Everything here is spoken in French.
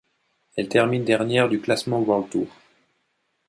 Elle termine dernière du classement World Tour.